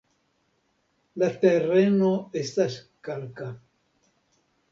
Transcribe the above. La tereno estas kalka.